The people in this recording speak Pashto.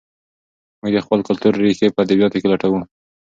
موږ د خپل کلتور ریښې په ادبیاتو کې لټوو.